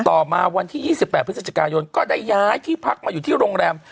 ต่อมาวันที่๒๘พฤศจิกายนก็ได้ย้ายที่พักมาอยู่ที่โรงแรม